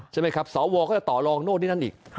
ใช่ไหมครับสวก็จะต่อลองโน่นนี่นั่นอีก